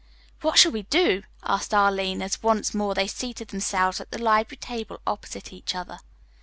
"What shall we do?" asked Arline as once more they seated themselves at the library table opposite each other.